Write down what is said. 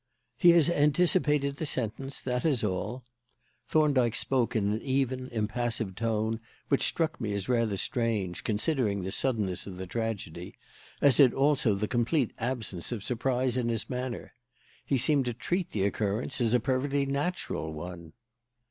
"He has anticipated the sentence. That is all." Thorndyke spoke in an even, impassive tone which struck me as rather strange, considering the suddenness of the tragedy, as did also the complete absence of surprise in his manner. He seemed to treat the occurrence as a perfectly natural one.